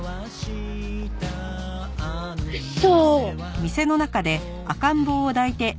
嘘！